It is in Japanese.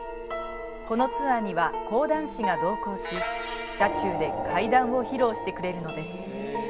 このツアーには、講談師が同行し、車中で怪談を披露してくれるのです。